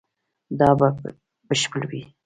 دا به بشپړ وي